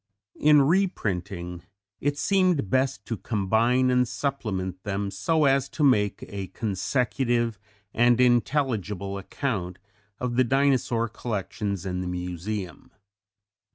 In reprinting it seemed best to combine and supplement them so as to make a consecutive and intelligible account of the Dinosaur collections in the Museum.